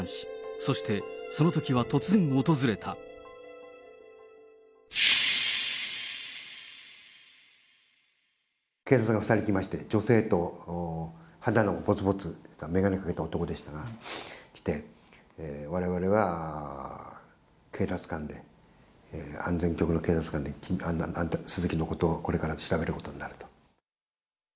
そして、警察官が２人来まして、女性と肌のぼつぼつとした眼鏡をかけた男でしたが、来て、われわれは警察官で、安全局の警察官で、鈴木のことをこれから調べることになると。